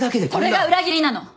それが裏切りなの。